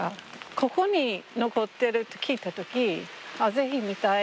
ここに残ってるって聞いた時是非見たい。